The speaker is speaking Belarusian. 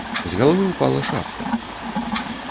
З галавы ўпала шапка.